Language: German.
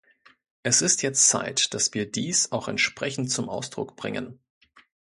Es ist jetzt Zeit, dass wir dies auch entsprechend zum Ausdruck bringen.